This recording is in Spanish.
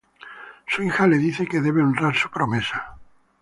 Su hija le dice que debe honrar su promesa.